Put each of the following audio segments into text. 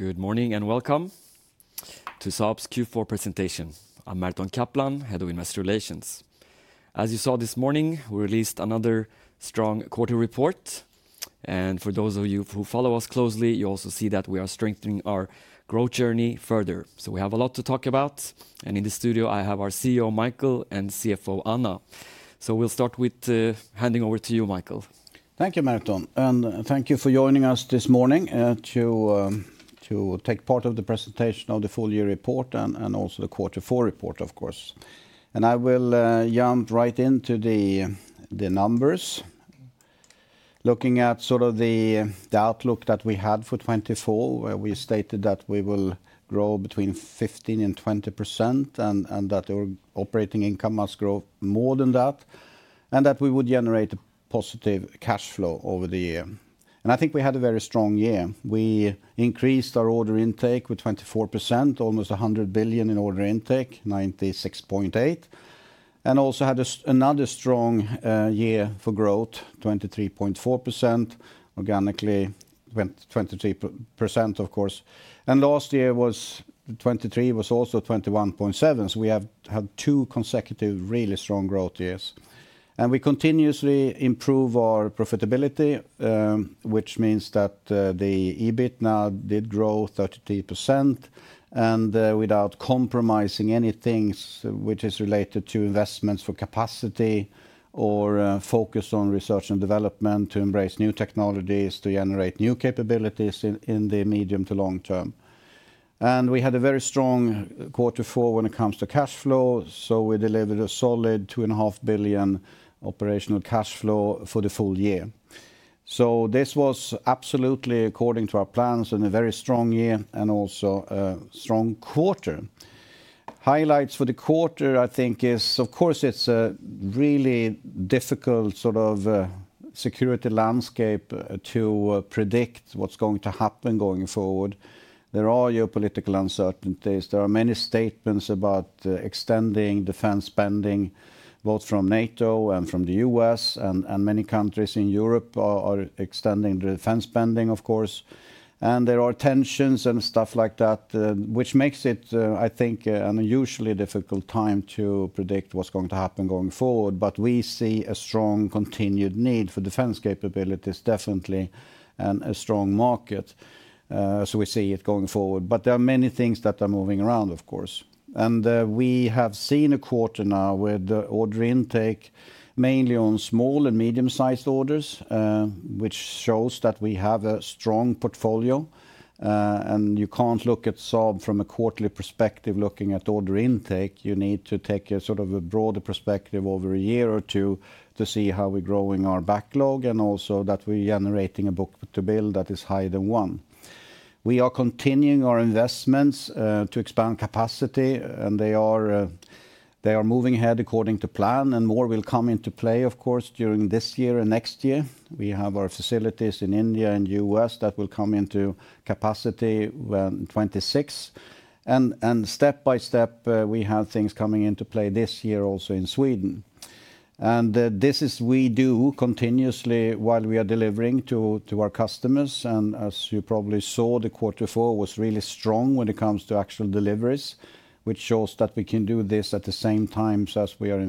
Good morning and welcome to Saab's Q4 presentation. I'm Merton Kaplan, Head of Investor Relations. As you saw this morning, we released another strong quarter report, and for those of you who follow us closely, you also see that we are strengthening our growth journey further, so we have a lot to talk about, and in the studio, I have our CEO, Micael, and CFO, Anna. So we'll start with handing over to you, Micael. Thank you, Merton. And thank you for joining us this morning to take part in the presentation of the full year report and also the quarter four report, of course. And I will jump right into the numbers. Looking at sort of the outlook that we had for 2024, where we stated that we will grow between 15% and 20% and that our operating income must grow more than that, and that we would generate a positive cash flow over the year. And I think we had a very strong year. We increased our order intake with 24%, almost 100 billion in order intake, 96.8 billion. And also had another strong year for growth, 23.4%, organically 23%, of course. And last year was 2023 was also 21.7%. So we have had two consecutive really strong growth years. We continuously improve our profitability, which means that the EBIT now did grow 33% and without compromising anything which is related to investments for capacity or focus on research and development to embrace new technologies to generate new capabilities in the medium to long term. We had a very strong quarter four when it comes to cash flow. We delivered a solid 2.5 billion operational cash flow for the full year. This was absolutely, according to our plans, a very strong year and also a strong quarter. Highlights for the quarter, I think, is, of course, it's a really difficult sort of security landscape to predict what's going to happen going forward. There are geopolitical uncertainties. There are many statements about extending defense spending, both from NATO and from the U.S., and many countries in Europe are extending the defense spending, of course. There are tensions and stuff like that, which makes it, I think, an unusually difficult time to predict what's going to happen going forward. But we see a strong continued need for defense capabilities, definitely, and a strong market. So we see it going forward. But there are many things that are moving around, of course. And we have seen a quarter now with the order intake mainly on small and medium-sized orders, which shows that we have a strong portfolio. And you can't look at Saab from a quarterly perspective looking at order intake. You need to take a sort of a broader perspective over a year or two to see how we're growing our backlog and also that we're generating a book-to-bill that is higher than one. We are continuing our investments to expand capacity, and they are moving ahead according to plan, and more will come into play, of course, during this year and next year. We have our facilities in India and the U.S. that will come into capacity in 2026. And step by step, we have things coming into play this year also in Sweden. And this is we do continuously while we are delivering to our customers. And as you probably saw, the quarter four was really strong when it comes to actual deliveries, which shows that we can do this at the same times as we are investing in capacity. R&D is truly important to us, which I've talked about many times, and I will come back to a few things that have happened this quarter and last year that is connected to autonomous systems and our future when it comes to new technologies because we need to sort of expedite and be much quicker when it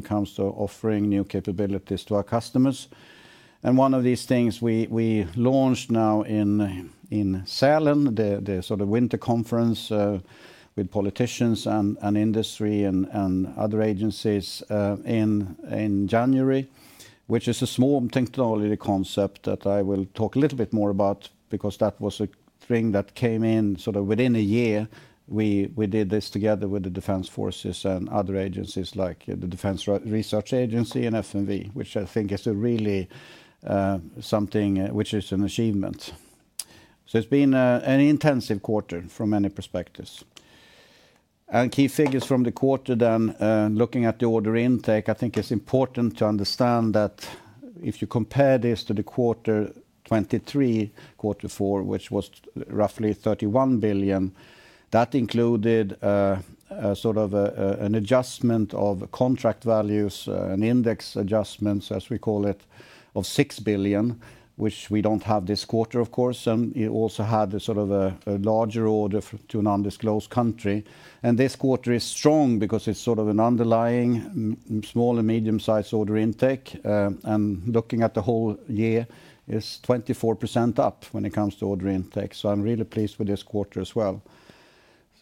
comes to offering new capabilities to our customers, and one of these things we launched now in Sälen, the sort of winter conference with politicians and industry and other agencies in January, which is a small technology concept that I will talk a little bit more about because that was a thing that came in sort of within a year. We did this together with the Defense Forces and other agencies like the Defence Research Agency and FMV, which I think is really something which is an achievement. It's been an intensive quarter from many perspectives. Key figures from the quarter then, looking at the order intake, I think it's important to understand that if you compare this to quarter 2023, quarter four, which was roughly 31 billion, that included sort of an adjustment of contract values, an index adjustment, as we call it, of 6 billion, which we don't have this quarter, of course. It also had sort of a larger order to an undisclosed country. This quarter is strong because it's sort of an underlying small and medium-sized order intake. Looking at the whole year, it's 24% up when it comes to order intake. I'm really pleased with this quarter as well.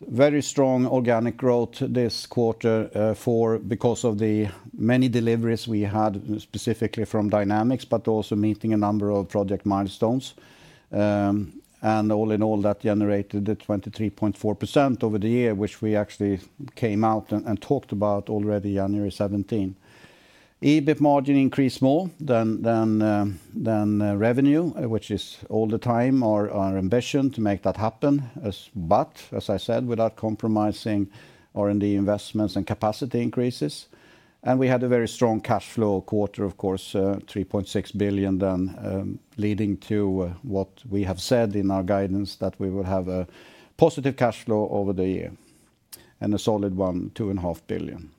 Very strong organic growth this quarter four because of the many deliveries we had specifically from Dynamics, but also meeting a number of project milestones. All in all, that generated the 23.4% over the year, which we actually came out and talked about already January 17th. EBIT margin increased more than revenue, which is all the time our ambition to make that happen, but as I said, without compromising R&D investments and capacity increases. We had a very strong cash flow quarter, of course, 3.6 billion then leading to what we have said in our guidance that we will have a positive cash flow over the year and a solid one, 2.5 billion.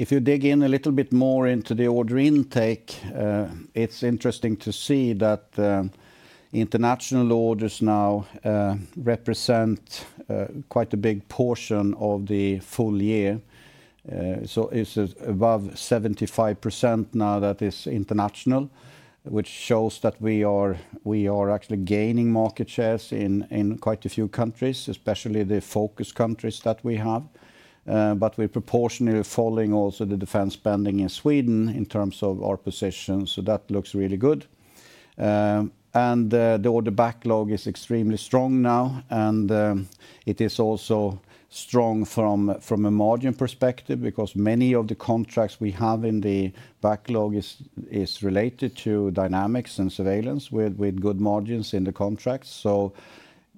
If you dig in a little bit more into the order intake, it's interesting to see that international orders now represent quite a big portion of the full year. It's above 75% now, that is, international, which shows that we are actually gaining market shares in quite a few countries, especially the focus countries that we have. We're proportionally following also the defense spending in Sweden in terms of our position. That looks really good. The order backlog is extremely strong now. It is also strong from a margin perspective because many of the contracts we have in the backlog is related to Dynamics and Surveillance with good margins in the contracts.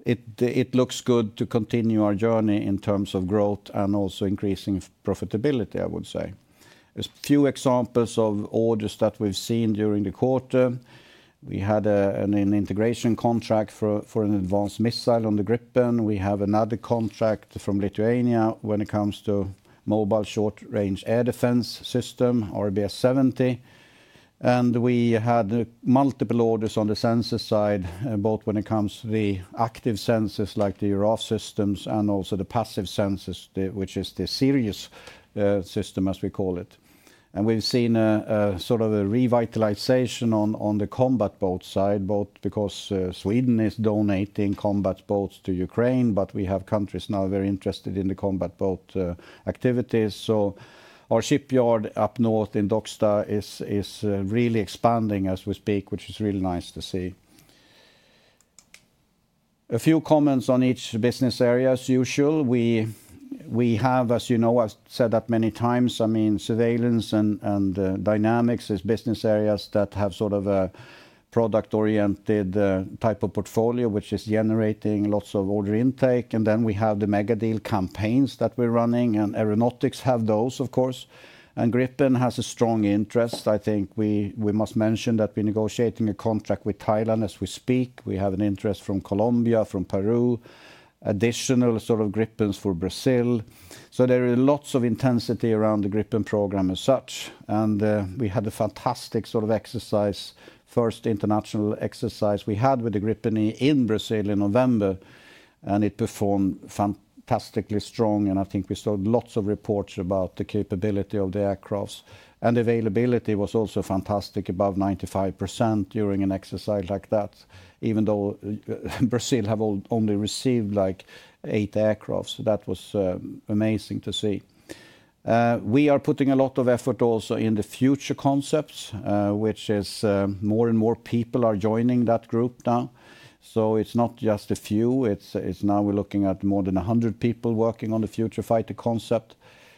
It looks good to continue our journey in terms of growth and also increasing profitability, I would say. There's a few examples of orders that we've seen during the quarter. We had an integration contract for an advanced missile on the Gripen. We have another contract from Lithuania when it comes to mobile short-range air defense system, RBS 70. And we had multiple orders on the sensor side, both when it comes to the active sensors like the Giraffe systems and also the passive sensors, which is the Sirius system, as we call it. And we've seen a sort of a revitalization on the combat boat side, both because Sweden is donating combat boats to Ukraine, but we have countries now very interested in the combat boat activities. So our shipyard up north in Docksta is really expanding as we speak, which is really nice to see. A few comments on each business area as usual. We have, as you know, I've said that many times, I mean, Surveillance and Dynamics is business areas that have sort of a product-oriented type of portfolio, which is generating lots of order intake. And then we have the mega deal campaigns that we're running, and Aeronautics have those, of course. Gripen has a strong interest. I think we must mention that we're negotiating a contract with Thailand as we speak. We have an interest from Colombia, from Peru, additional sort of Gripen for Brazil. There is lots of intensity around the Gripen program as such. We had a fantastic sort of exercise, first international exercise we had with the Gripen in Brazil in November, and it performed fantastically strong. I think we saw lots of reports about the capability of the aircraft. Availability was also fantastic, above 95% during an exercise like that, even though Brazil has only received like eight aircraft. That was amazing to see. We are putting a lot of effort also in the future concepts, which is more and more people are joining that group now. It's not just a few. It's now we're looking at more than 100 people working on the future fighter concept.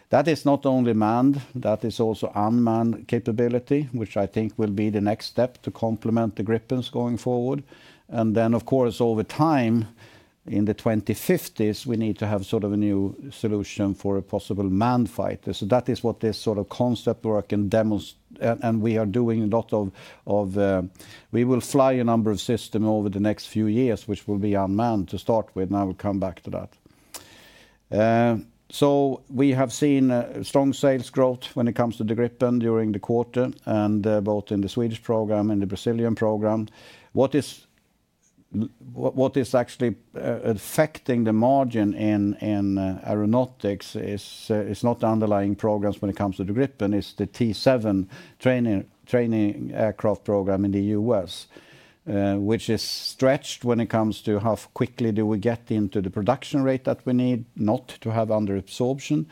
That is not only manned, that is also unmanned capability, which I think will be the next step to complement the Gripen going forward, and then, of course, over time in the 2050s, we need to have sort of a new solution for a possible manned fighter, so that is what this sort of concept work can demonstrate. And we are doing a lot of, we will fly a number of systems over the next few years, which will be unmanned to start with, and I will come back to that, so we have seen strong sales growth when it comes to the Gripen during the quarter, and both in the Swedish program and the Brazilian program. What is actually affecting the margin in Aeronautics is not the underlying programs when it comes to the Gripen. It's the T-7 training aircraft program in the U.S., which is stretched when it comes to how quickly do we get into the production rate that we need not to have under absorption.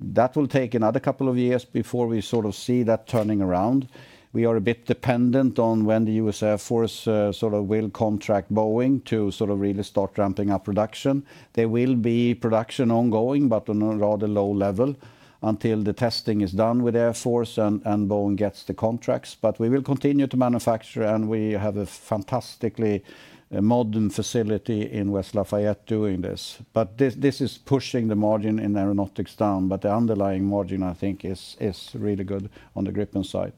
That will take another couple of years before we sort of see that turning around. We are a bit dependent on when the U.S. Air Force sort of will contract Boeing to sort of really start ramping up production. There will be production ongoing, but on a rather low level until the testing is done with Air Force and Boeing gets the contracts. But we will continue to manufacture, and we have a fantastically modern facility in West Lafayette doing this. But this is pushing the margin in Aeronautics down, but the underlying margin, I think, is really good on the Gripen side.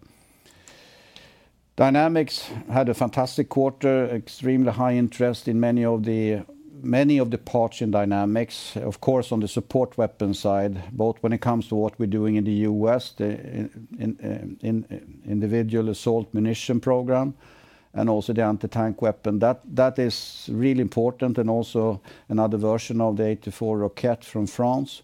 Dynamics had a fantastic quarter, extremely high interest in many of the parts in Dynamics. Of course, on the support weapon side, both when it comes to what we're doing in the U.S., the Individual Assault Munition program, and also the anti-tank weapon. That is really important and also another version of the AT4 Roquette from France.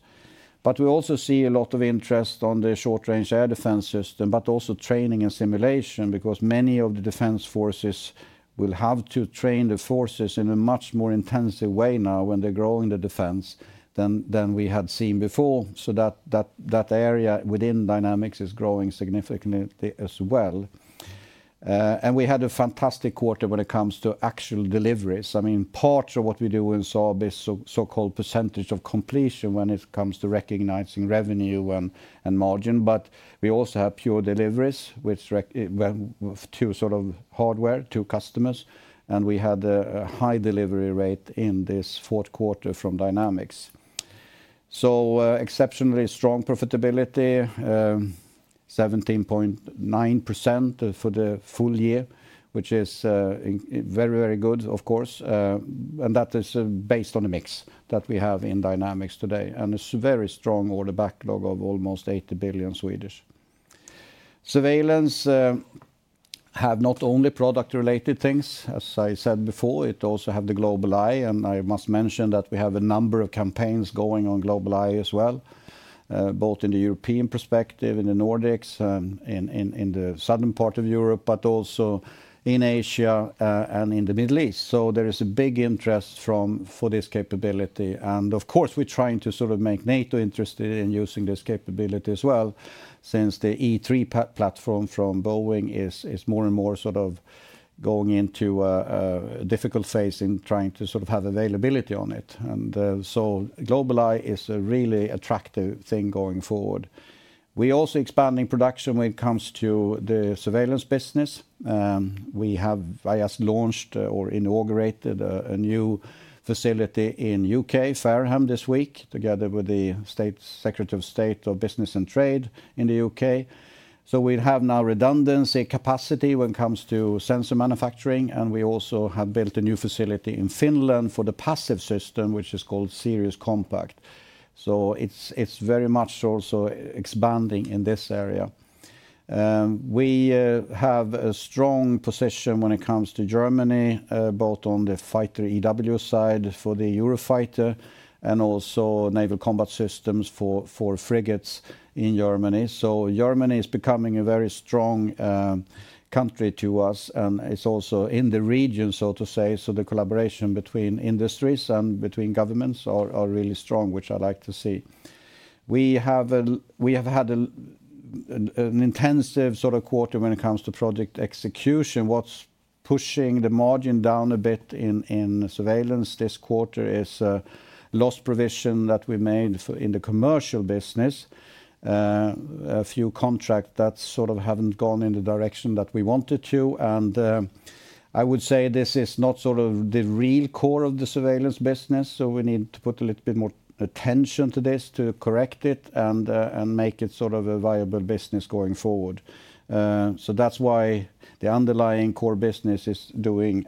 But we also see a lot of interest on the short-range air defense system, but also training and simulation because many of the defense forces will have to train the forces in a much more intensive way now when they're growing the defense than we had seen before. So that area within Dynamics is growing significantly as well. And we had a fantastic quarter when it comes to actual deliveries. I mean, parts of what we do in Saab is so-called percentage of completion when it comes to recognizing revenue and margin, but we also have pure deliveries to sort of hardware to customers, and we had a high delivery rate in this fourth quarter from Dynamics, so exceptionally strong profitability, 17.9% for the full year, which is very, very good, of course, and that is based on the mix that we have in Dynamics today, and it's a very strong order backlog of almost 80 billion. Surveillance has not only product-related things, as I said before. It also has the GlobalEye, and I must mention that we have a number of campaigns going on GlobalEye as well, both in the European perspective, in the Nordics, in the southern part of Europe, but also in Asia and in the Middle East. There is a big interest for this capability. And of course, we're trying to sort of make NATO interested in using this capability as well since the E-3 platform from Boeing is more and more sort of going into a difficult phase in trying to sort of have availability on it. And so GlobalEye is a really attractive thing going forward. We're also expanding production when it comes to the Surveillance business. We have, I guess, launched or inaugurated a new facility in the U.K., Fareham, this week together with the Secretary of State for Business and Trade in the U.K. So we have now redundancy capacity when it comes to sensor manufacturing. And we also have built a new facility in Finland for the passive system, which is called Sirius Compact. So it's very much also expanding in this area. We have a strong position when it comes to Germany, both on the fighter EW side for the Eurofighter and also naval combat systems for frigates in Germany. So Germany is becoming a very strong country to us. And it's also in the region, so to say. So the collaboration between industries and between governments are really strong, which I like to see. We have had an intensive sort of quarter when it comes to project execution. What's pushing the margin down a bit in Surveillance this quarter is a loss provision that we made in the commercial business, a few contracts that sort of haven't gone in the direction that we wanted to. And I would say this is not sort of the real core of the Surveillance business. So we need to put a little bit more attention to this to correct it and make it sort of a viable business going forward. So that's why the underlying core business is doing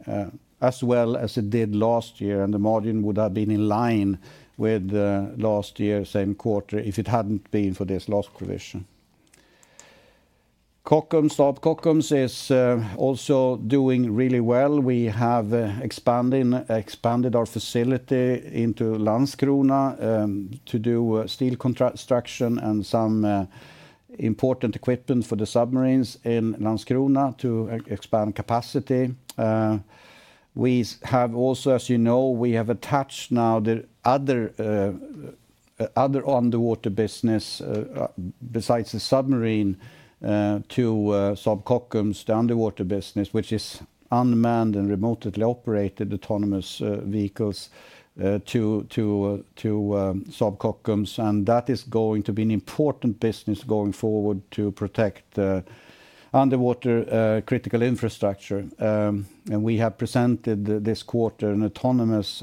as well as it did last year. And the margin would have been in line with last year, same quarter, if it hadn't been for this lost provision. Saab Kockums is also doing really well. We have expanded our facility into Landskrona to do steel construction and some important equipment for the submarines in Landskrona to expand capacity. We have also, as you know, we have attached now the other underwater business besides the submarine to Saab Kockums, the underwater business, which is unmanned and remotely operated autonomous vehicles to Saab Kockums. And that is going to be an important business going forward to protect underwater critical infrastructure. We have presented this quarter an Autonomous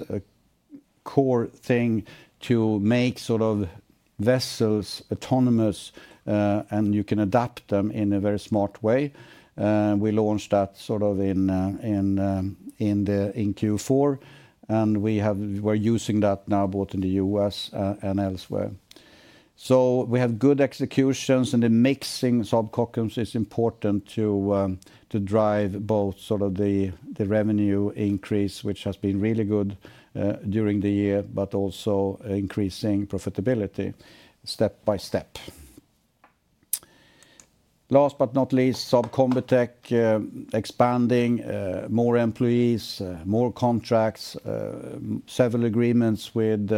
Core thing to make sort of vessels autonomous, and you can adapt them in a very smart way. We launched that sort of in Q4. We're using that now both in the U.S. and elsewhere. We have good executions, and the mixing of Saab Kockums is important to drive both sort of the revenue increase, which has been really good during the year, but also increasing profitability step by step. Last but not least, Saab Combitech expanding, more employees, more contracts, several agreements with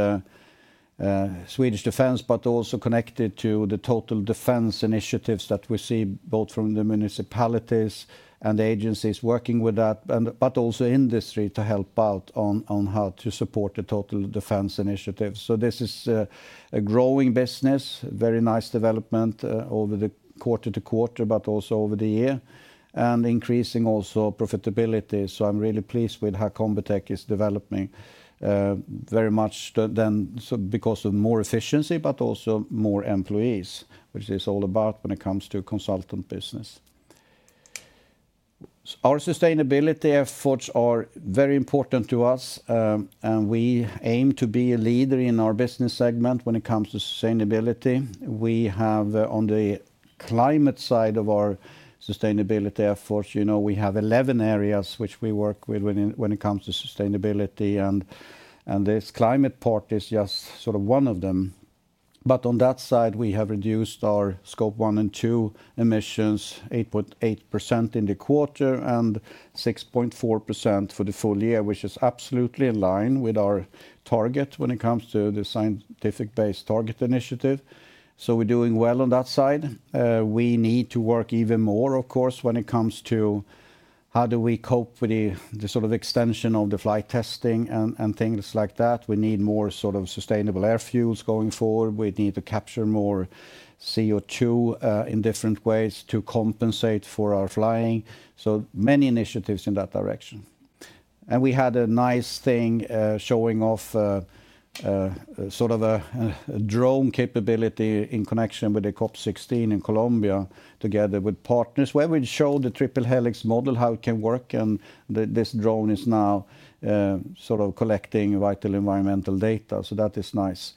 Swedish Defense, but also connected to the total defense initiatives that we see both from the municipalities and the agencies working with that, but also industry to help out on how to support the total defense initiative. So this is a growing business, very nice development over the quarter to quarter, but also over the year and increasing also profitability. So I'm really pleased with how Combitech is developing very much then because of more efficiency, but also more employees, which is all about when it comes to consultant business. Our sustainability efforts are very important to us, and we aim to be a leader in our business segment when it comes to sustainability. We have on the climate side of our sustainability efforts, you know we have 11 areas which we work with when it comes to sustainability. And this climate part is just sort of one of them. But on that side, we have reduced our Scope 1 and 2 emissions 8.8% in the quarter and 6.4% for the full year, which is absolutely in line with our target when it comes to the Science Based Targets initiative. So we're doing well on that side. We need to work even more, of course, when it comes to how do we cope with the sort of extension of the flight testing and things like that. We need more sort of sustainable air fuels going forward. We need to capture more CO2 in different ways to compensate for our flying. So many initiatives in that direction. And we had a nice thing showing off sort of a drone capability in connection with the COP16 in Colombia together with partners where we showed the Triple Helix model, how it can work. And this drone is now sort of collecting vital environmental data. That is nice.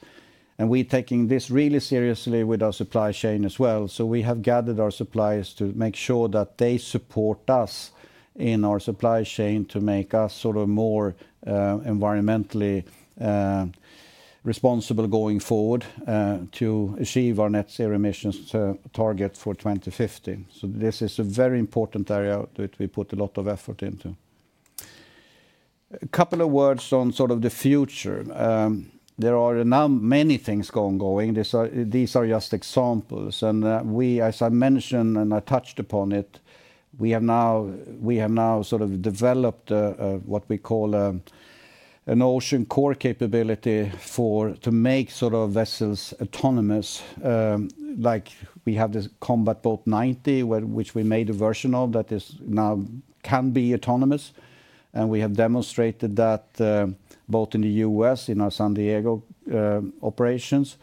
We're taking this really seriously with our supply chain as well. We have gathered our suppliers to make sure that they support us in our supply chain to make us sort of more environmentally responsible going forward to achieve our Net Zero emissions target for 2050. This is a very important area that we put a lot of effort into. A couple of words on sort of the future. There are many things going on. These are just examples. We, as I mentioned and I touched upon it, have now sort of developed what we call an Ocean Core capability to make sort of vessels autonomous. Like we have the Combat Boat 90, which we made a version of that now can be autonomous. We have demonstrated that both in the U.S., in our San Diego operations.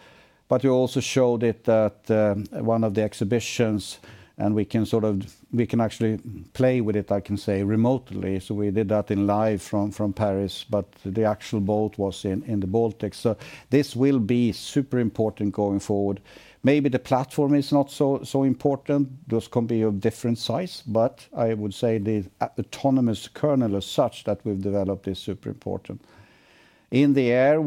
But we also showed it at one of the exhibitions, and we can sort of, we can actually play with it, I can say, remotely. So we did that live from Paris, but the actual boat was in the Baltics. So this will be super important going forward. Maybe the platform is not so important. Those can be of different size, but I would say the autonomous kernel as such that we've developed is super important. In the air,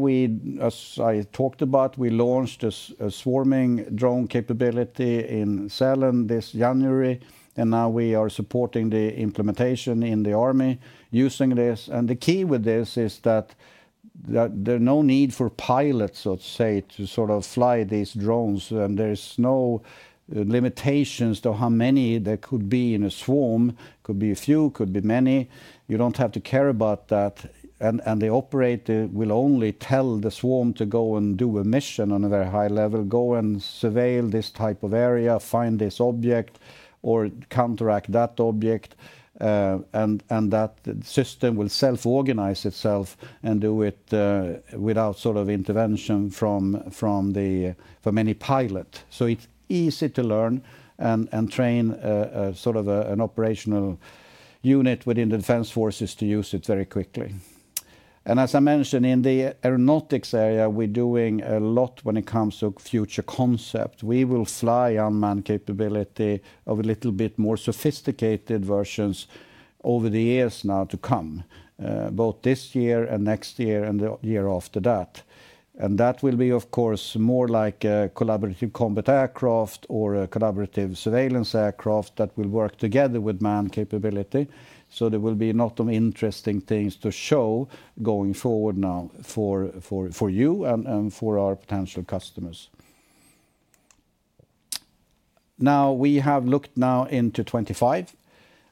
as I talked about, we launched a swarming drone capability in Sälen this January. And now we are supporting the implementation in the army using this. And the key with this is that there's no need for pilots, let's say, to sort of fly these drones. And there's no limitations to how many there could be in a swarm. Could be a few, could be many. You don't have to care about that. And the operator will only tell the swarm to go and do a mission on a very high level, go and surveil this type of area, find this object or counteract that object. And that system will self-organize itself and do it without sort of intervention from any pilot. So it's easy to learn and train sort of an operational unit within the defense forces to use it very quickly. And as I mentioned, in the Aeronautics area, we're doing a lot when it comes to future concepts. We will fly unmanned capability of a little bit more sophisticated versions over the years now to come, both this year and next year and the year after that. And that will be, of course, more like a collaborative combat aircraft or a collaborative Surveillance aircraft that will work together with manned capability. So there will be a lot of interesting things to show going forward now for you and for our potential customers. Now we have looked now into 2025.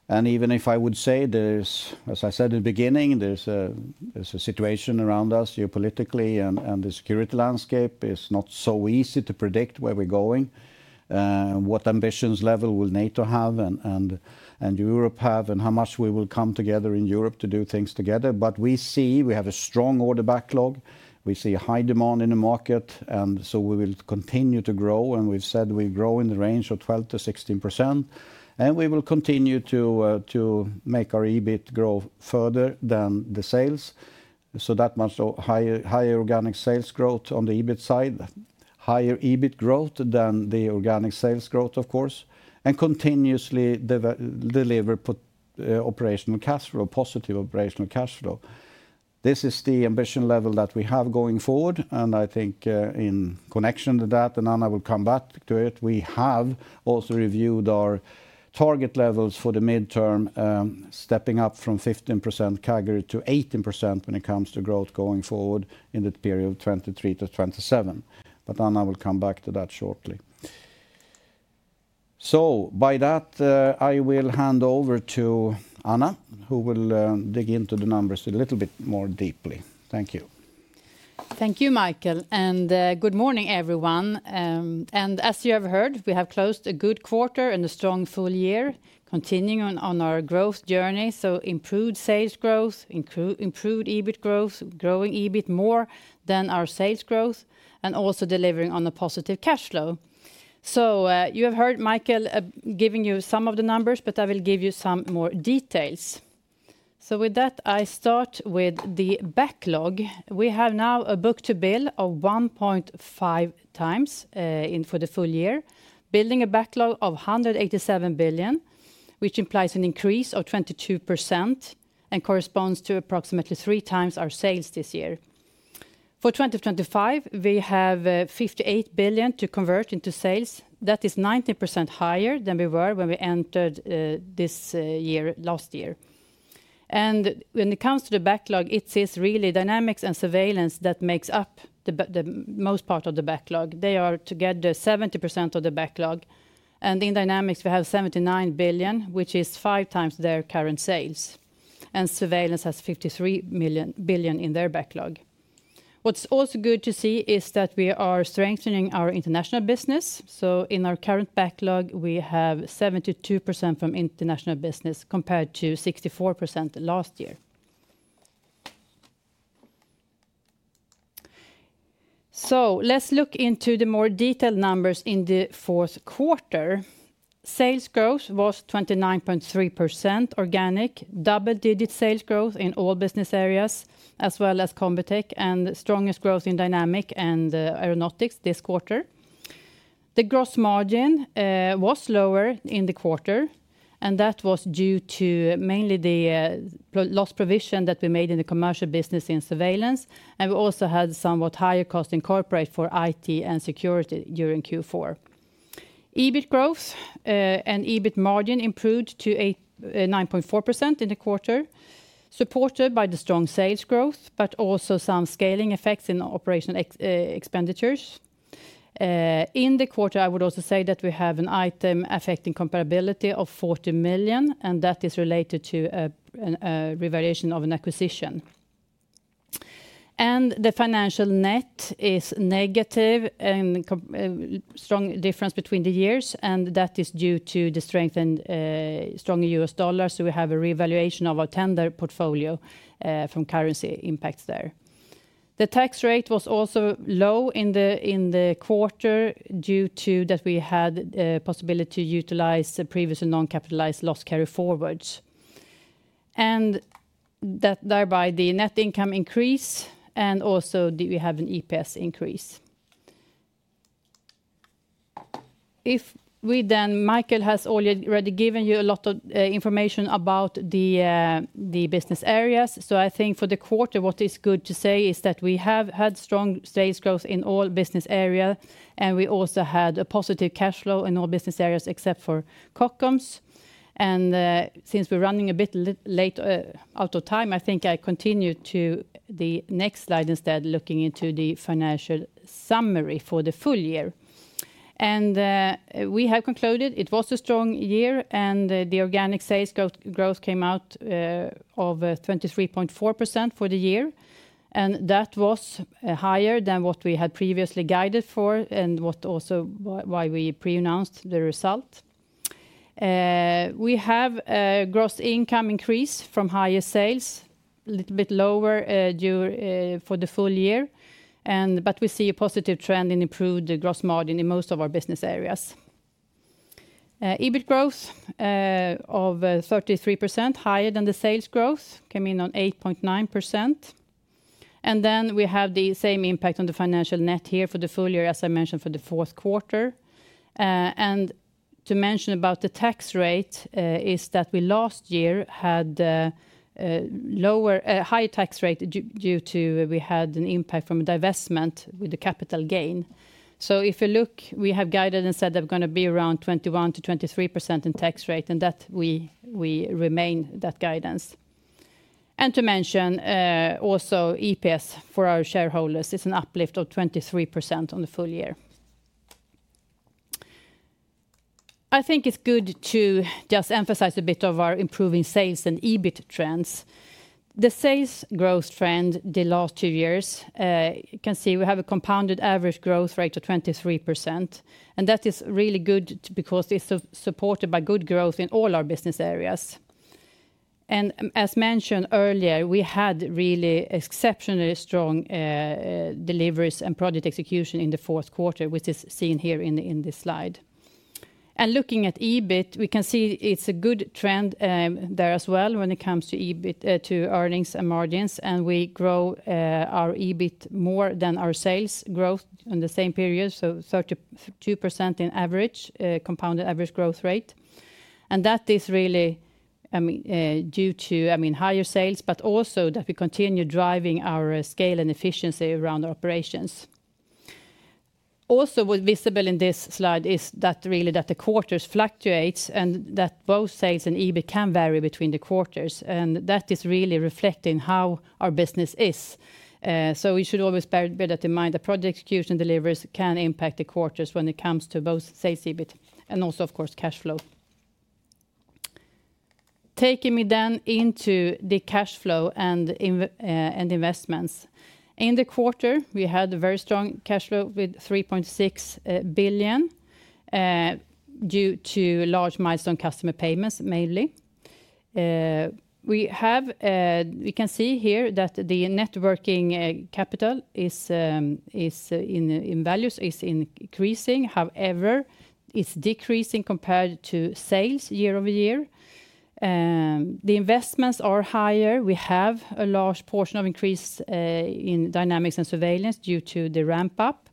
And even if I would say there's, as I said in the beginning, there's a situation around us geopolitically and the security landscape is not so easy to predict where we're going, what ambitions level will NATO have and Europe have and how much we will come together in Europe to do things together. But we see we have a strong order backlog. We see high demand in the market. And so we will continue to grow. And we've said we'll grow in the range of 12%-16%. And we will continue to make our EBIT grow further than the sales. So that much higher organic sales growth on the EBIT side, higher EBIT growth than the organic sales growth, of course, and continuously deliver operational cash flow, positive operational cash flow. This is the ambition level that we have going forward. And I think in connection to that, and Anna will come back to it, we have also reviewed our target levels for the midterm, stepping up from 15% CAGR to 18% when it comes to growth going forward in the period of 2023 to 2027. But Anna will come back to that shortly. So by that, I will hand over to Anna, who will dig into the numbers a little bit more deeply. Thank you. Thank you, Micael. And good morning, everyone. And as you have heard, we have closed a good quarter and a strong full year, continuing on our growth journey. Improved sales growth, improved EBIT growth, growing EBIT more than our sales growth, and also delivering on a positive cash flow. You have heard Micael giving you some of the numbers, but I will give you some more details. With that, I start with the backlog. We have now a book-to-bill of 1.5x for the full year, building a backlog of 187 billion, which implies an increase of 22% and corresponds to approximately three times our sales this year. For 2025, we have 58 billion to convert into sales. That is 90% higher than we were when we entered this year last year. When it comes to the backlog, it is really Dynamics and Surveillance that makes up the most part of the backlog. They are together 70% of the backlog. In Dynamics, we have 79 billion, which is five times their current sales. Surveillance has 53 billion in their backlog. What's also good to see is that we are strengthening our international business. In our current backlog, we have 72% from international business compared to 64% last year. Let's look into the more detailed numbers in the fourth quarter. Sales growth was 29.3% organic, double-digit sales growth in all business areas, as well as Combitech and strongest growth in Dynamics and Aeronautics this quarter. The gross margin was lower in the quarter, and that was due mainly to the loss provision that we made in the commercial business in Surveillance. We also had somewhat higher costs in corporate for IT and security during Q4. EBIT growth and EBIT margin improved to 9.4% in the quarter, supported by the strong sales growth, but also some scaling effects in operational expenditures. In the quarter, I would also say that we have an item affecting comparability of 40 million, and that is related to a revaluation of an acquisition. The financial net is negative, a strong difference between the years, and that is due to the strengthened U.S. dollar. We have a revaluation of our tender portfolio from currency impacts there. The tax rate was also low in the quarter due to that we had the possibility to utilize previously non-capitalized loss carry forwards. Thereby the net income increase and also we have an EPS increase. If we then, Micael has already given you a lot of information about the business areas. So I think for the quarter, what is good to say is that we have had strong sales growth in all business areas, and we also had a positive cash flow in all business areas except for Kockums. And since we're running a bit late out of time, I think I continue to the next slide instead, looking into the financial summary for the full year. And we have concluded it was a strong year, and the organic sales growth came out of 23.4% for the year. And that was higher than what we had previously guided for and what also why we pre-announced the result. We have a gross income increase from higher sales, a little bit lower for the full year, but we see a positive trend in improved gross margin in most of our business areas. EBIT growth of 33%, higher than the sales growth, came in on 8.9%. And then we have the same impact on the financial net here for the full year, as I mentioned for the fourth quarter. And to mention about the tax rate is that we last year had a high tax rate due to we had an impact from a divestment with the capital gain. So if you look, we have guided and said that we're going to be around 21%-23% in tax rate and that we remain that guidance. And to mention also EPS for our shareholders is an uplift of 23% on the full year. I think it's good to just emphasize a bit of our improving sales and EBIT trends. The sales growth trend the last two years, you can see we have a compounded average growth rate of 23%. And that is really good because it's supported by good growth in all our business areas. And as mentioned earlier, we had really exceptionally strong deliveries and project execution in the fourth quarter, which is seen here in this slide. And looking at EBIT, we can see it's a good trend there as well when it comes to EBIT to earnings and margins. And we grow our EBIT more than our sales growth in the same period, so 32% in average compounded average growth rate. And that is really due to, I mean, higher sales, but also that we continue driving our scale and efficiency around our operations. Also visible in this slide is that really the quarters fluctuates and that both sales and EBIT can vary between the quarters. And that is really reflecting how our business is. So we should always bear that in mind that project execution deliveries can impact the quarters when it comes to both sales EBIT and also, of course, cash flow. Taking me then into the cash flow and investments. In the quarter, we had a very strong cash flow with 3.6 billion due to large milestone customer payments mainly. We can see here that the net working capital in values is increasing. However, it's decreasing compared to sales year over year. The investments are higher. We have a large portion of increase in Dynamics and Surveillance due to the ramp-up.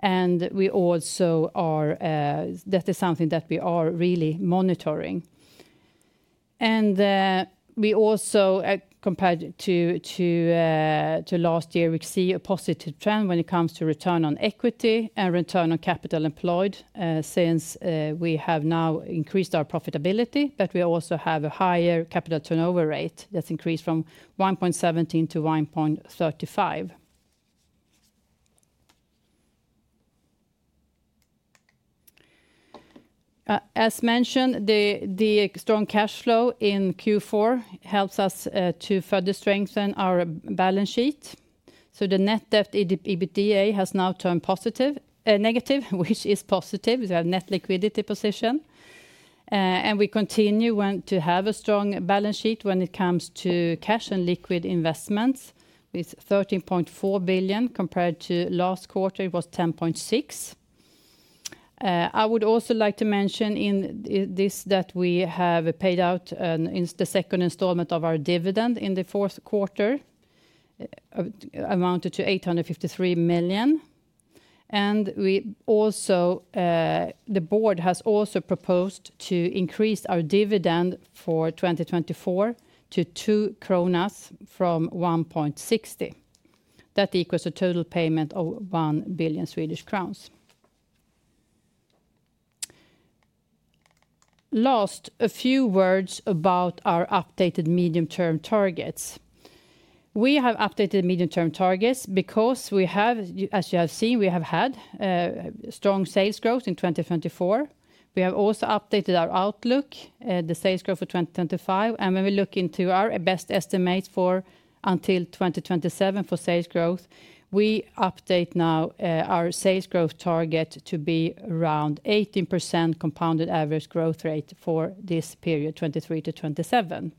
And we also are, that is something that we are really monitoring. We also compared to last year. We see a positive trend when it comes to return on equity and return on capital employed since we have now increased our profitability, but we also have a higher capital turnover rate that's increased from 1.17 to 1.35. As mentioned, the strong cash flow in Q4 helps us to further strengthen our balance sheet. The net debt EBITDA has now turned negative, which is positive. We have net liquidity position. We continue to have a strong balance sheet when it comes to cash and liquid investments with 13.4 billion compared to last quarter, it was 10.6 billion. I would also like to mention in this that we have paid out the second installment of our dividend in the fourth quarter, amounted to SEK 853 million. The board has also proposed to increase our dividend for 2024 to 2 kronor from 1.60. That equals a total payment of 1 billion Swedish crowns. Last, a few words about our updated medium-term targets. We have updated medium-term targets because we have, as you have seen, we have had strong sales growth in 2024. We have also updated our outlook, the sales growth for 2025. When we look into our best estimates for until 2027 for sales growth, we update now our sales growth target to be around 18% compounded average growth rate for this period, 2023 to 2027.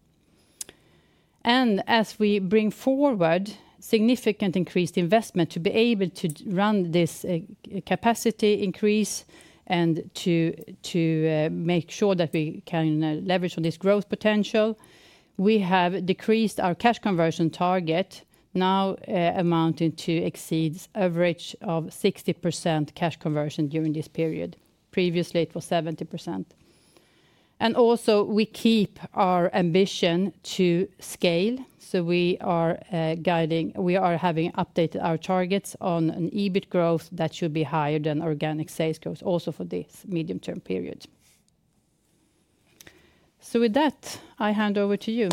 As we bring forward significant increased investment to be able to run this capacity increase and to make sure that we can leverage on this growth potential, we have decreased our cash conversion target now amounting to exceed average of 60% cash conversion during this period. Previously, it was 70%. We also keep our ambition to scale. We are guiding. We are having updated our targets on an EBIT growth that should be higher than organic sales growth also for this medium-term period. With that, I hand over to you,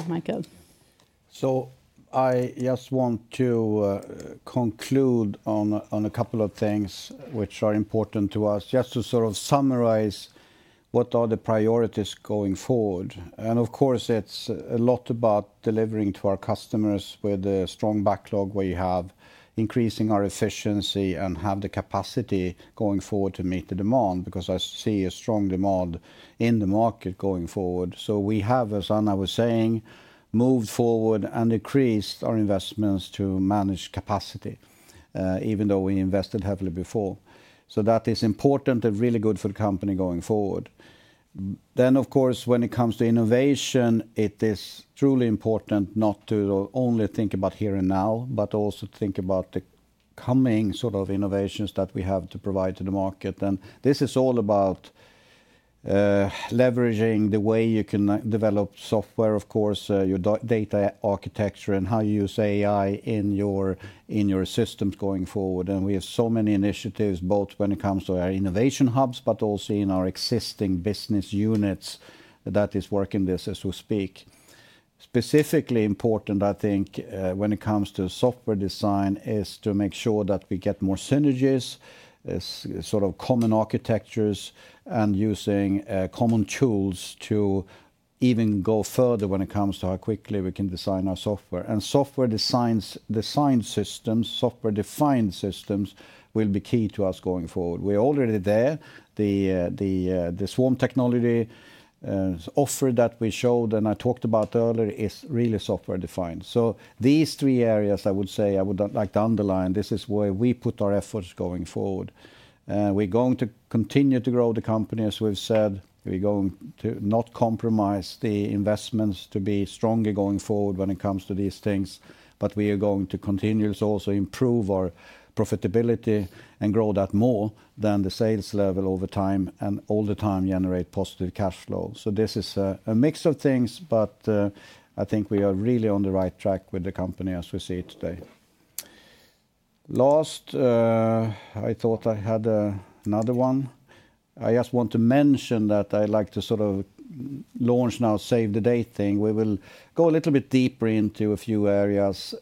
Micael. I just want to conclude on a couple of things which are important to us, just to sort of summarize what are the priorities going forward. Of course, it's a lot about delivering to our customers with a strong backlog where you have increasing our efficiency and have the capacity going forward to meet the demand because I see a strong demand in the market going forward. We have, as Anna was saying, moved forward and increased our investments to manage capacity, even though we invested heavily before. That is important and really good for the company going forward. Then, of course, when it comes to innovation, it is truly important not to only think about here and now, but also think about the coming sort of innovations that we have to provide to the market. And this is all about leveraging the way you can develop software, of course, your data architecture and how you use AI in your systems going forward. And we have so many initiatives, both when it comes to our innovation hubs, but also in our existing business units that is working this as we speak. Specifically important, I think, when it comes to software design is to make sure that we get more synergies, sort of common architectures and using common tools to even go further when it comes to how quickly we can design our software. And software design systems, software-defined systems will be key to us going forward. We're already there. The Swarm technology offer that we showed and I talked about earlier is really software-defined. So these three areas, I would say, I would like to underline, this is where we put our efforts going forward. We're going to continue to grow the company, as we've said. We're going to not compromise the investments to be stronger going forward when it comes to these things. But we are going to continuously also improve our profitability and grow that more than the sales level over time and all the time generate positive cash flow. So this is a mix of things, but I think we are really on the right track with the company as we see it today. Last, I thought I had another one. I just want to mention that I'd like to sort of launch now, save the date thing. We will go a little bit deeper into a few areas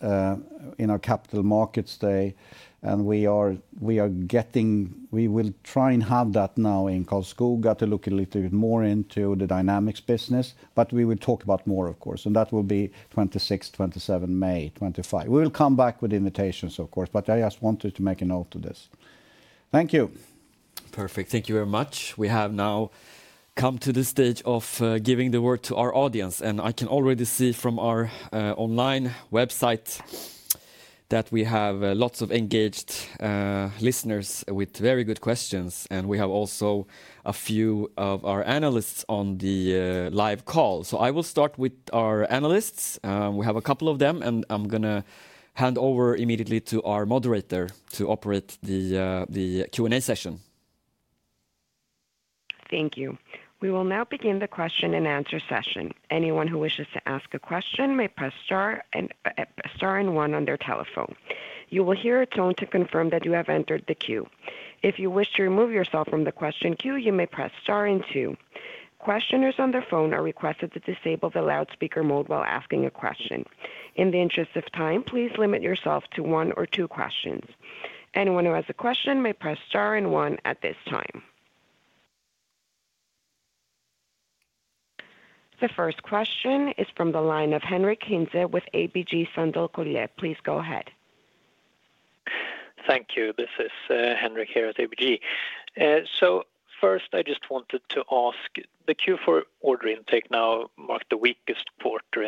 in our capital markets day. And we are getting, we will try and have that now in Karlskoga to look a little bit more into the dynamics business. But we will talk about more, of course. And that will be 26th, 27th May 2025. We will come back with invitations, of course, but I just wanted to make a note of this. Thank you. Perfect. Thank you very much. We have now come to the stage of giving the word to our audience. And I can already see from our online website that we have lots of engaged listeners with very good questions. And we have also a few of our analysts on the live call. So I will start with our analysts. We have a couple of them, and I'm going to hand over immediately to our moderator to operate the Q&A session. Thank you. We will now begin the question and answer session. Anyone who wishes to ask a question may press star and one on their telephone. You will hear a tone to confirm that you have entered the queue. If you wish to remove yourself from the question queue, you may press star and two. Questioners on their phone are requested to disable the loudspeaker mode while asking a question. In the interest of time, please limit yourself to one or two questions. Anyone who has a question may press star and one at this time. The first question is from the line of Henric Hintze with ABG Sundal Collier. Please go ahead. Thank you. This is Henrik here at ABG. So first, I just wanted to ask: the Q4 order intake now marked the weakest quarter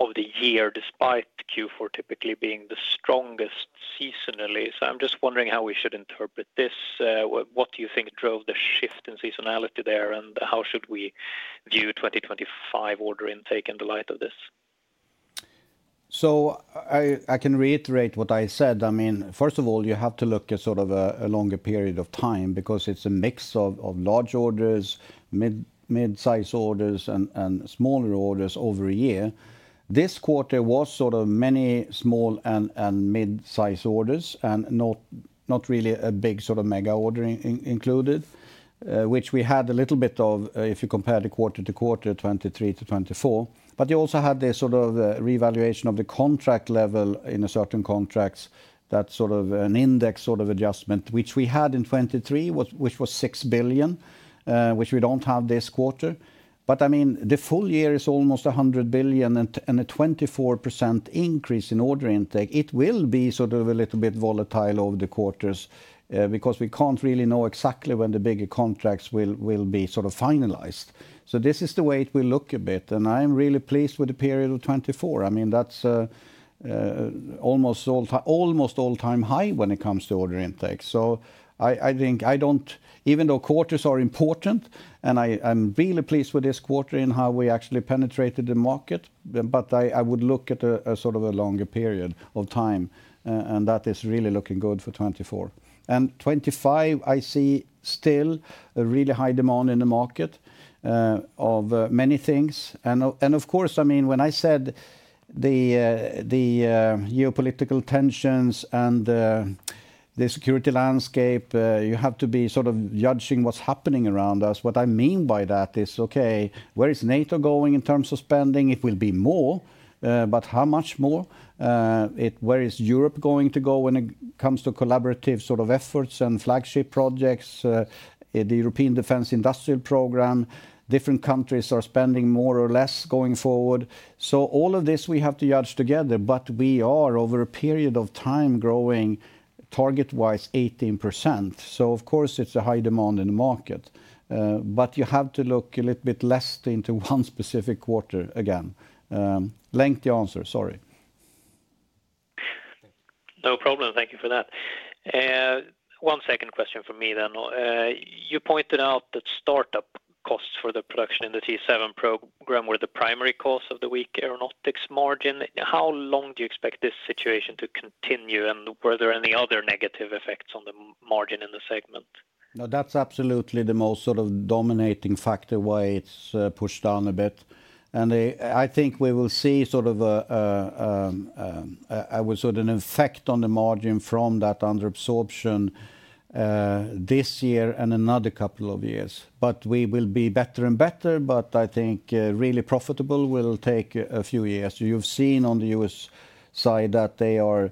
of the year, despite Q4 typically being the strongest seasonally. So I'm just wondering how we should interpret this. What do you think drove the shift in seasonality there, and how should we view 2025 order intake in the light of this? So I can reiterate what I said. I mean, first of all, you have to look at sort of a longer period of time because it's a mix of large orders, mid-size orders, and smaller orders over a year. This quarter was sort of many small and mid-size orders and not really a big sort of mega order included, which we had a little bit of if you compare the quarter to quarter, 2023 to 2024. But you also had this sort of revaluation of the contract level in certain contracts, that sort of an index sort of adjustment, which we had in 2023, which was 6 billion, which we don't have this quarter. But I mean, the full year is almost 100 billion and a 24% increase in order intake. It will be sort of a little bit volatile over the quarters because we can't really know exactly when the bigger contracts will be sort of finalized. So this is the way it will look a bit. And I'm really pleased with the period of 2024. I mean, that's almost all-time high when it comes to order intake. So I think I don't, even though quarters are important, and I'm really pleased with this quarter in how we actually penetrated the market, but I would look at a sort of a longer period of time. And that is really looking good for 2024. And 2025, I see still a really high demand in the market of many things. And of course, I mean, when I said the geopolitical tensions and the security landscape, you have to be sort of judging what's happening around us. What I mean by that is, okay, where is NATO going in terms of spending? It will be more, but how much more? Where is Europe going to go when it comes to collaborative sort of efforts and flagship projects? The European Defence Industrial Programme, different countries are spending more or less going forward. So all of this we have to judge together, but we are over a period of time growing target-wise 18%. So of course, it's a high demand in the market. But you have to look a little bit less into one specific quarter again. Lengthy answer, sorry. No problem. Thank you for that. One second question for me then. You pointed out that startup costs for the production in the T-7 program were the primary cause of the weak Aeronautics margin. How long do you expect this situation to continue? And were there any other negative effects on the margin in the segment? No, that's absolutely the most sort of dominating factor why it's pushed down a bit, and I think we will see sort of a sort of an effect on the margin from that under absorption this year and another couple of years. But we will be better and better, but I think really profitable will take a few years. You've seen on the U.S. side that they are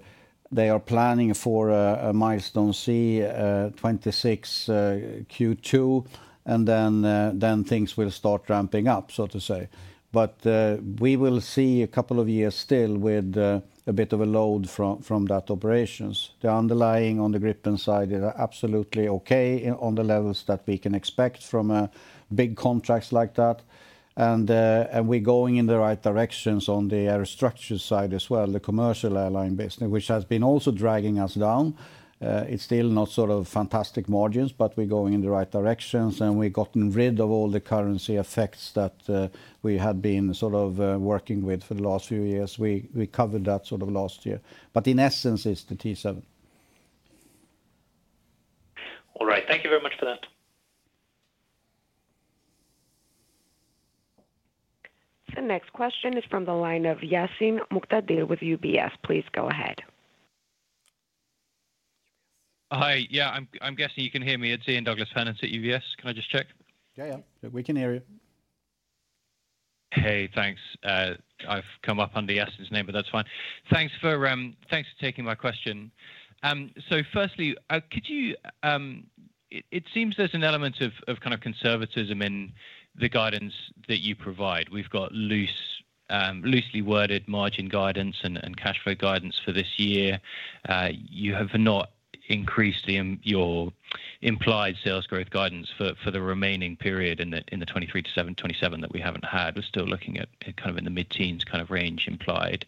planning for a Milestone C 2026 Q2, and then things will start ramping up, so to say. But we will see a couple of years still with a bit of a load from that operations. The underlying on the Gripen side is absolutely okay on the levels that we can expect from big contracts like that. And we're going in the right directions on the air structure side as well, the commercial airline business, which has been also dragging us down. It's still not sort of fantastic margins, but we're going in the right directions. And we've gotten rid of all the currency effects that we had been sort of working with for the last few years. We covered that sort of last year. But in essence, it's the T-7. All right. Thank you very much for that. The next question is from the line of Yasin Muqtadir with UBS. Please go ahead. Hi. Yeah, I'm guessing you can hear me. It's Ian Douglas-Pennant at UBS. Can I just check? Yeah, yeah. We can hear you. Hey, thanks. I've come up under Yasin's name, but that's fine. Thanks for taking my question. So firstly, could you—it seems there's an element of kind of conservatism in the guidance that you provide. We've got loosely worded margin guidance and cash flow guidance for this year. You have not increased your implied sales growth guidance for the remaining period in the 2023 to 2027 that we haven't had. We're still looking at kind of in the mid-teens kind of range implied.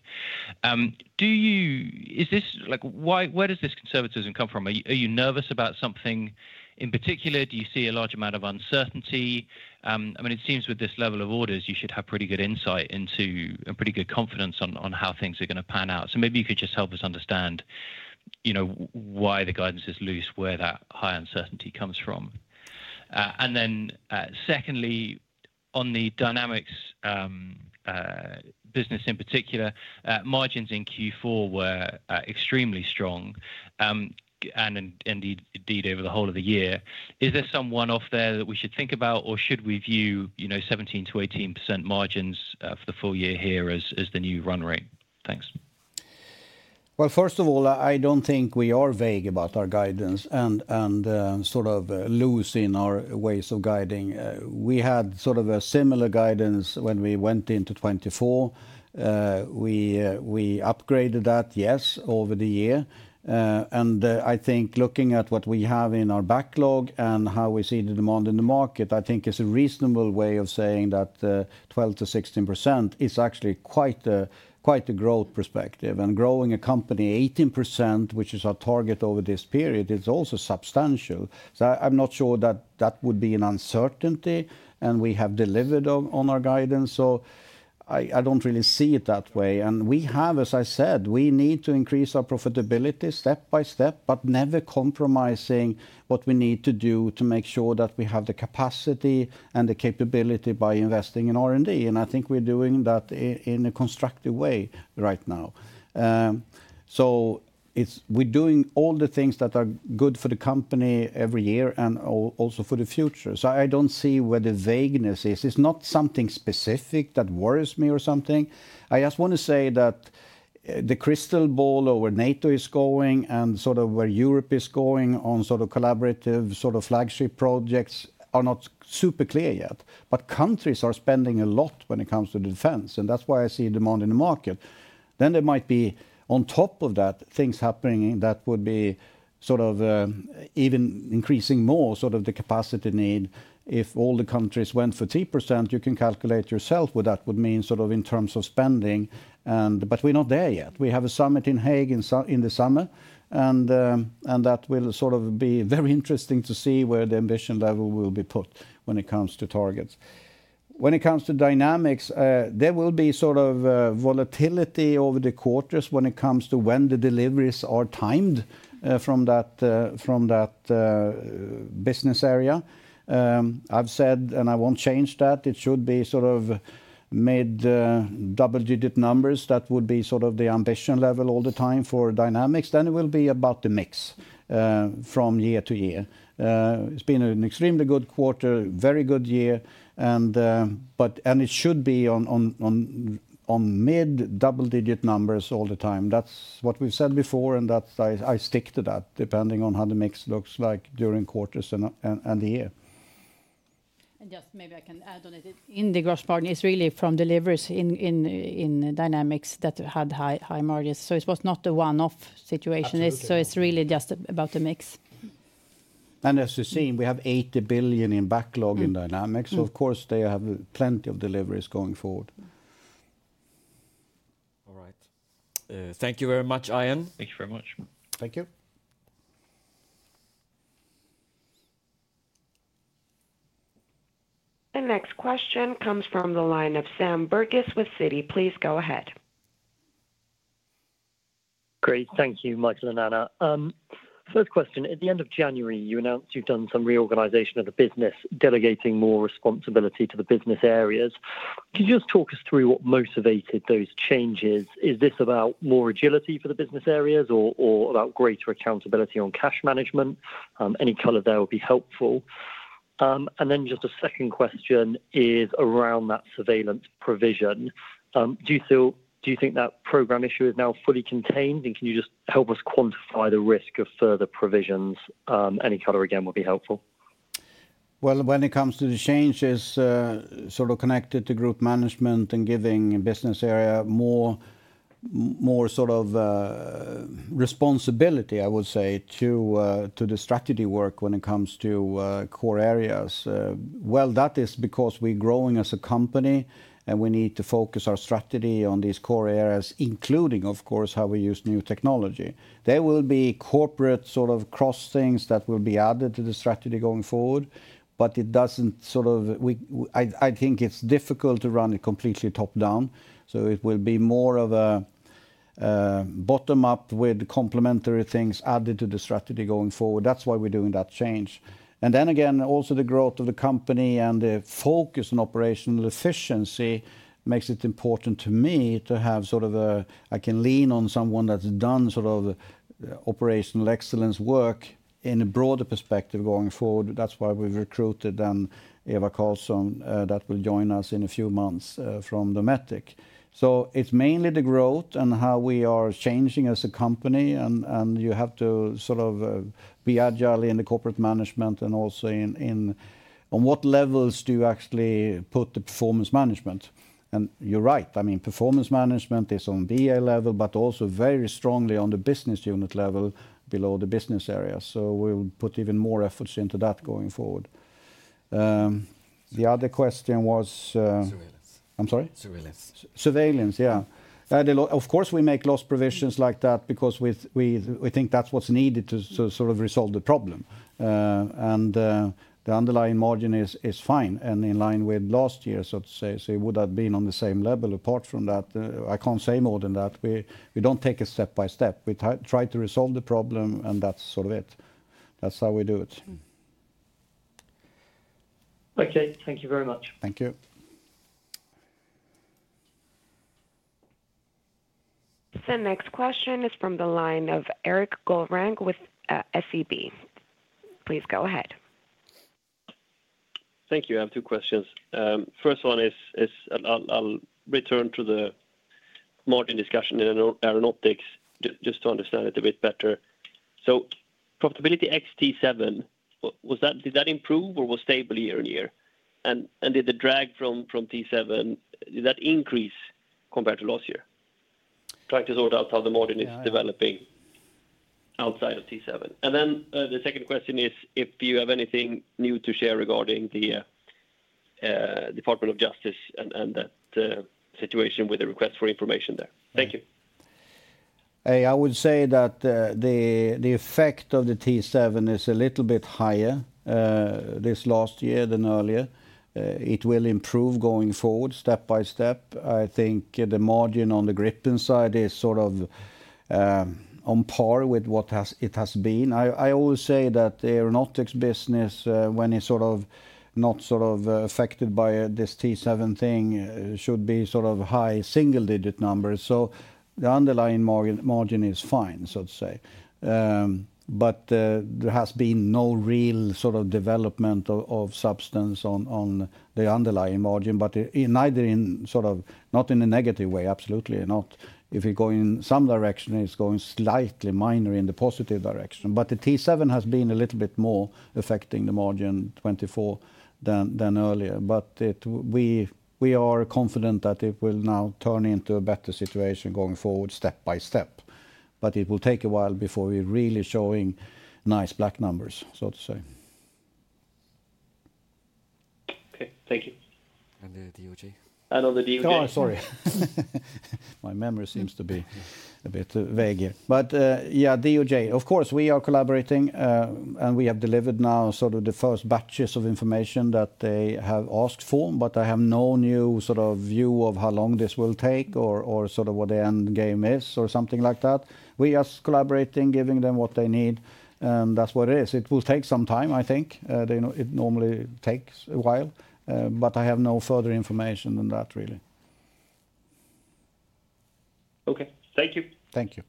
Where does this conservatism come from? Are you nervous about something in particular? Do you see a large amount of uncertainty? I mean, it seems with this level of orders, you should have pretty good insight into and pretty good confidence on how things are going to pan out. So maybe you could just help us understand why the guidance is loose, where that high uncertainty comes from. And then secondly, on the Dynamics business in particular, margins in Q4 were extremely strong and indeed over the whole of the year. Is there some one-off there that we should think about, or should we view 17%-18% margins for the full year here as the new run rate? Thanks. Well, first of all, I don't think we are vague about our guidance and sort of loose in our ways of guiding. We had sort of a similar guidance when we went into 2024. We upgraded that, yes, over the year. And I think looking at what we have in our backlog and how we see the demand in the market, I think it's a reasonable way of saying that 12%-16% is actually quite a growth perspective. Growing a company 18%, which is our target over this period, is also substantial. I'm not sure that that would be an uncertainty and we have delivered on our guidance. I don't really see it that way. We have, as I said, we need to increase our profitability step by step, but never compromising what we need to do to make sure that we have the capacity and the capability by investing in R&D. I think we're doing that in a constructive way right now. We're doing all the things that are good for the company every year and also for the future. I don't see where the vagueness is. It's not something specific that worries me or something. I just want to say that the crystal ball over NATO is going and sort of where Europe is going on sort of collaborative sort of flagship projects are not super clear yet. But countries are spending a lot when it comes to defense. And that's why I see demand in the market. Then there might be on top of that, things happening that would be sort of even increasing more sort of the capacity need. If all the countries went for 2%, you can calculate yourself what that would mean sort of in terms of spending. But we're not there yet. We have a summit in The Hague in the summer. And that will sort of be very interesting to see where the ambition level will be put when it comes to targets. When it comes to Dynamics, there will be sort of volatility over the quarters when it comes to when the deliveries are timed from that business area. I've said, and I won't change that, it should be sort of mid-double digit numbers. That would be sort of the ambition level all the time for Dynamics, then it will be about the mix from year to year. It's been an extremely good quarter, very good year, and it should be on mid-double digit numbers all the time. That's what we've said before, and I stick to that depending on how the mix looks like during quarters and the year. And just maybe I can add on it. In the gross margin, it's really from deliveries in Dynamics that had high margins. So it was not a one-off situation. So it's really just about the mix. And as you've seen, we have 8 billion in backlog in Dynamics. Of course, they have plenty of deliveries going forward. All right. Thank you very much, Ian. Thank you very much. Thank you. The next question comes from the line of Sam Burgess with Citi. Please go ahead. Great. Thank you, Micael and Anna. First question. At the end of January, you announced you've done some reorganization of the business, delegating more responsibility to the business areas. Could you just talk us through what motivated those changes? Is this about more agility for the business areas or about greater accountability on cash management? Any color there would be helpful. And then just a second question is around that Surveillance provision. Do you think that program issue is now fully contained? And can you just help us quantify the risk of further provisions? Any color again would be helpful. When it comes to the changes, sort of connected to Group Management and giving business area more sort of responsibility, I would say, to the strategy work when it comes to core areas. That is because we're growing as a company and we need to focus our strategy on these core areas, including, of course, how we use new technology. There will be corporate sort of cross things that will be added to the strategy going forward, but it doesn't sort of, I think it's difficult to run it completely top down, so it will be more of a bottom-up with complementary things added to the strategy going forward. That's why we're doing that change. And then again, also the growth of the company and the focus on operational efficiency makes it important to me to have sort of a, I can lean on someone that's done sort of operational excellence work in a broader perspective going forward. That's why we've recruited then Eva Karlsson that will join us in a few months from Dometic. So it's mainly the growth and how we are changing as a company. You have to sort of be agile in the corporate management and also on what levels do you actually put the performance management. You're right. I mean, performance management is on the A level, but also very strongly on the business unit level below the business area. We'll put even more efforts into that going forward. The other question was? Surveillance. I'm sorry? Surveillance. Surveillance, yeah. Of course, we make loss provisions like that because we think that's what's needed to sort of resolve the problem. And the underlying margin is fine and in line with last year, so to say. So it would have been on the same level. Apart from that, I can't say more than that. We don't take it step by step. We try to resolve the problem and that's sort of it. That's how we do it. Okay. Thank you very much. Thank you. The next question is from the line of Erik Golrang with SEB. Please go ahead. Thank you. I have two questions. First one is, I'll return to the margin discussion in Aeronautics just to understand it a bit better. So profitability T-7, did that improve or was stable year on year? And did the drag from T-7, did that increase compared to last year? Trying to sort out how the margin is developing outside of T-7. And then the second question is if you have anything new to share regarding the Department of Justice and that situation with the request for information there. Thank you. I would say that the effect of the T-7 is a little bit higher this last year than earlier. It will improve going forward step by step. I think the margin on the Gripen side is sort of on par with what it has been. I always say that the Aeronautics business, when it's sort of not sort of affected by this T-7 thing, should be sort of high single-digit numbers. So the underlying margin is fine, so to say. But there has been no real sort of development of substance on the underlying margin, but neither in sort of not in a negative way, absolutely not. If you're going in some direction, it's going slightly minor in the positive direction. But the T-7 has been a little bit more affecting the margin 2024 than earlier. But we are confident that it will now turn into a better situation going forward step by step. But it will take a while before we're really showing nice black numbers, so to say. Okay. Thank you. And the DOJ? And on the DOJ? Oh, sorry. My memory seems to be a bit vague here. But yeah, DOJ. Of course, we are collaborating and we have delivered now sort of the first batches of information that they have asked for. But I have no new sort of view of how long this will take or sort of what the end game is or something like that. We are collaborating, giving them what they need. And that's what it is. It will take some time, I think. It normally takes a while. But I have no further information than that, really. Okay. Thank you. Thank you.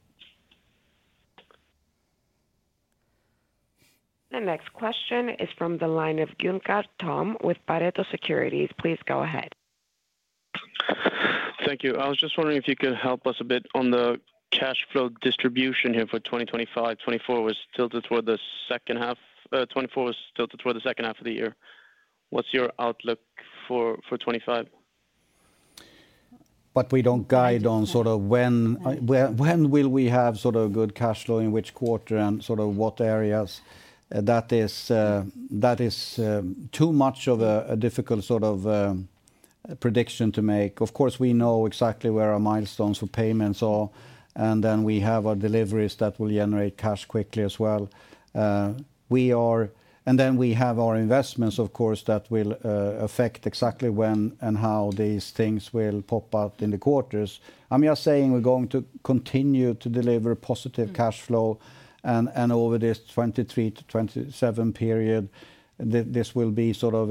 The next question is from the line of Guinchard Tom with Pareto Securities. Please go ahead. Thank you. I was just wondering if you could help us a bit on the cash flow distribution here for 2025. 2024 was tilted toward the second half. 2024 was tilted toward the second half of the year. What's your outlook for 2025? But we don't guide on sort of when will we have sort of good cash flow in which quarter and sort of what areas. That is too much of a difficult sort of prediction to make. Of course, we know exactly where our milestones for payments are. And then we have our deliveries that will generate cash quickly as well. And then we have our investments, of course, that will affect exactly when and how these things will pop out in the quarters. I'm just saying we're going to continue to deliver positive cash flow. And over this 2023-2027 period, this will be sort of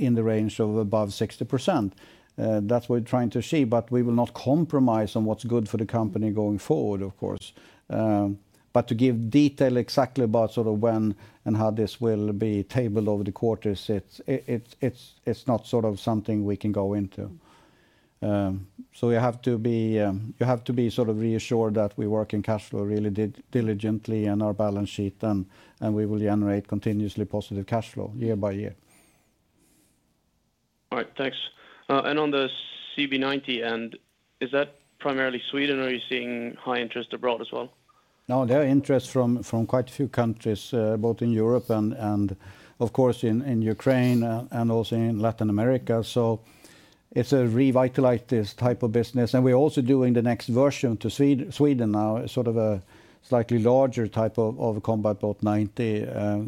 in the range of above 60%. That's what we're trying to achieve. But we will not compromise on what's good for the company going forward, of course. But to give detail exactly about sort of when and how this will be tabled over the quarters, it's not sort of something we can go into. So you have to be sort of reassured that we work in cash flow really diligently and our balance sheet, and we will generate continuously positive cash flow year by year. All right. Thanks. On the CB90 end, is that primarily Sweden or are you seeing high interest abroad as well? No, there are interests from quite a few countries, both in Europe and, of course, in Ukraine and also in Latin America. So it's a revitalized type of business. And we're also doing the next version to Sweden now, sort of a slightly larger type of Combat Boat 90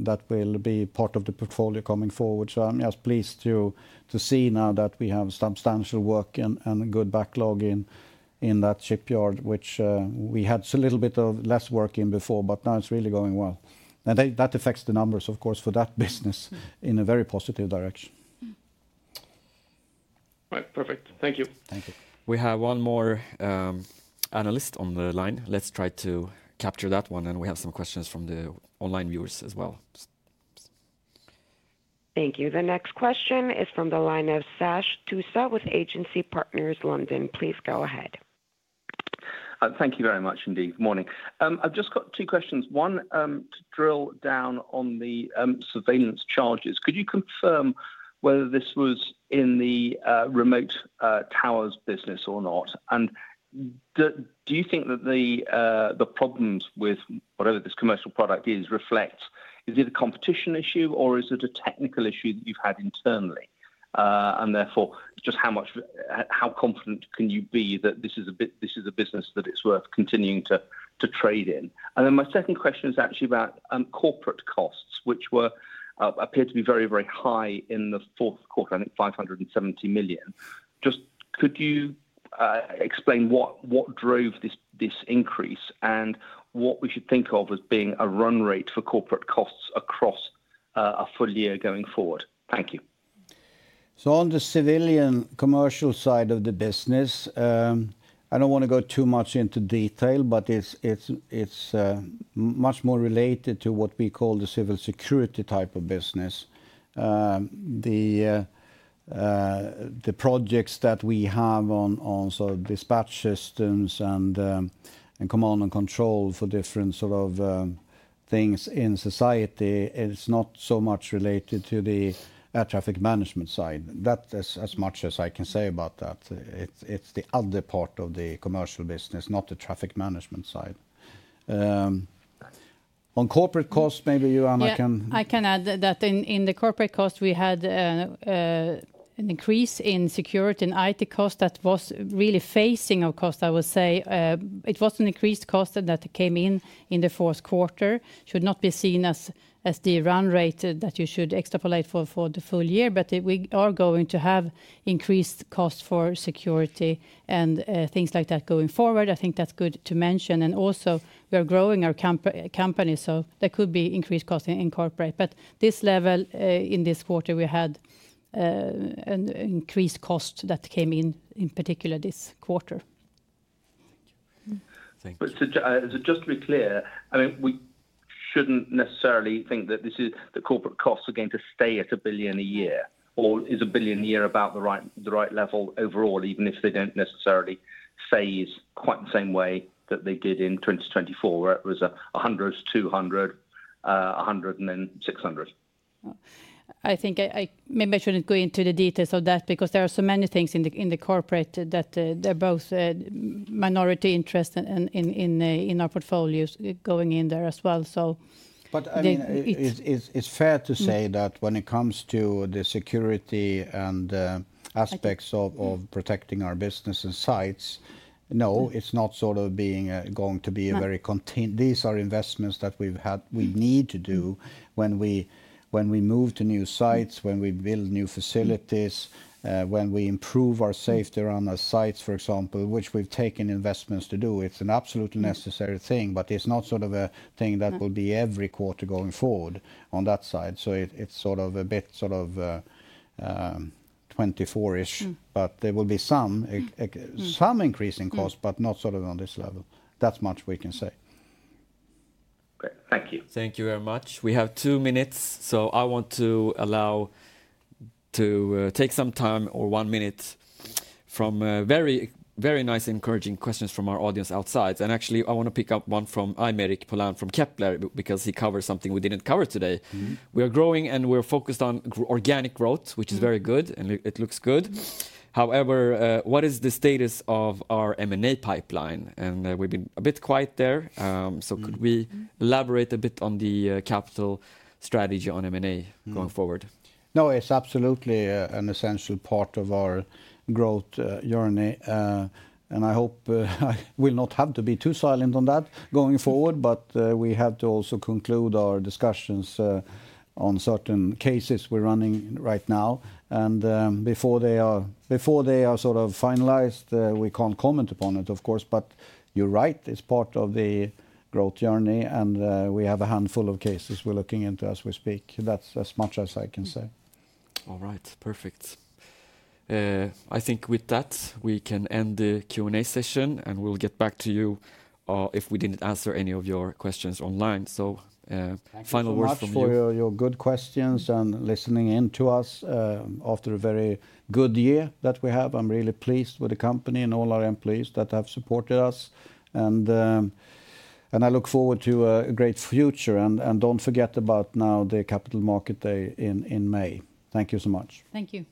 that will be part of the portfolio coming forward. So I'm just pleased to see now that we have substantial work and good backlog in that shipyard, which we had a little bit of less work in before, but now it's really going well. And that affects the numbers, of course, for that business in a very positive direction. All right. Perfect. Thank you. Thank you. We have one more analyst on the line. Let's try to capture that one. And we have some questions from the online viewers as well. Thank you. The next question is from the line of Sash Tusa with Agency Partners, London. Please go ahead. Thank you very much indeed. Morning. I've just got two questions. One to drill down on the Surveillance charges. Could you confirm whether this was in the remote towers business or not? And do you think that the problems with whatever this commercial product is reflects? Is it a competition issue or is it a technical issue that you've had internally? And therefore, just how confident can you be that this is a business that it's worth continuing to trade in? And then my second question is actually about corporate costs, which appeared to be very, very high in the fourth quarter, I think 570 million. Just could you explain what drove this increase and what we should think of as being a run rate for corporate costs across a full year going forward? Thank you. So on the civilian/commercial side of the business, I don't want to go too much into detail, but it's much more related to what we call the civil security type of business. The projects that we have on sort of dispatch systems and command and control for different sort of things in society is not so much related to the air traffic management side. That's as much as I can say about that. It's the other part of the commercial business, not the traffic management side. On corporate costs, maybe you, Anna, can. Yeah, I can add that in the corporate costs, we had an increase in security and IT costs that was really facing, of course, I would say. It was an increased cost that came in in the fourth quarter. Should not be seen as the run rate that you should extrapolate for the full year. But we are going to have increased costs for security and things like that going forward. I think that's good to mention. And also, we are growing our company, so there could be increased costs in corporate. But this level in this quarter, we had an increased cost that came in, in particular this quarter. Thank you. Just to be clear, I mean, we shouldn't necessarily think that the corporate costs are going to stay at 1 billion a year. Or is 1 billion a year about the right level overall, even if they don't necessarily phase quite the same way that they did in 2024, where it was 100 million to 200 million, 100 million and then 600 million? I think maybe I shouldn't go into the details of that because there are so many things in the corporate that they're both minority interests in our portfolios going in there as well. but I mean, it's fair to say that when it comes to the security and aspects of protecting our business and sites, no, it's not sort of going to be a very, these are investments that we need to do when we move to new sites, when we build new facilities, when we improve our safety around our sites, for example, which we've taken investments to do. It's an absolutely necessary thing, but it's not sort of a thing that will be every quarter going forward on that side, so it's sort of a bit sort of 2024-ish, but there will be some increase in cost, but not sort of on this level. That's much we can say. Thank you. Thank you very much. We have two minutes, so I want to allow to take some time or one minute from very, very nice encouraging questions from our audience outside, and actually, I want to pick up one from Aymeric Poulain from Kepler because he covers something we didn't cover today. We are growing and we're focused on organic growth, which is very good and it looks good. However, what is the status of our M&A pipeline, and we've been a bit quiet there, so could we elaborate a bit on the capital strategy on M&A going forward? No, it's absolutely an essential part of our growth journey, and I hope I will not have to be too silent on that going forward, but we have to also conclude our discussions on certain cases we're running right now. And before they are sort of finalized, we can't comment upon it, of course. But you're right, it's part of the growth journey. And we have a handful of cases we're looking into as we speak. That's as much as I can say. All right. Perfect. I think with that, we can end the Q&A session and we'll get back to you if we didn't answer any of your questions online. So final words from you. Thank you for your good questions and listening in to us after a very good year that we have. I'm really pleased with the company and all our employees that have supported us. And I look forward to a great future. And don't forget about now the Capital Markets Day in May. Thank you so much. Thank you.